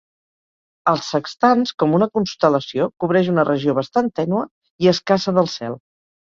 El Sextans com una constel·lació cobreix una regió bastant tènue i escassa del cel.